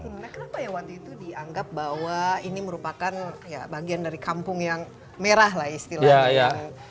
sebenarnya kenapa ya waktu itu dianggap bahwa ini merupakan bagian dari kampung yang merah lah istilahnya